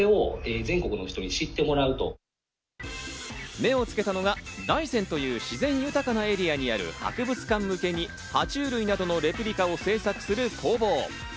目を付けたのが大山という自然豊かなエリアにある博物館向けに、爬虫類などのレプリカを制作する工房。